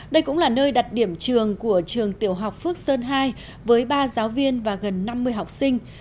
đây cũng là nơi đặt điểm trường của trường tiểu học phước sơn hai với ba giáo viên và gần năm mươi học sinh